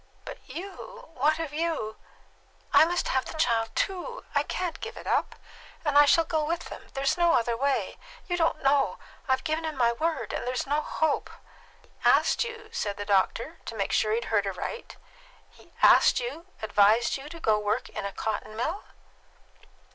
"But you what have you " "I must have the child too! I can't give it up, and I shall go with them. There's no other way. You don't know. I've given him my word, and there is no hope!" "He asked you," said the doctor, to make sure he had heard aright "he asked you advised you to go to work in a cotton mill?"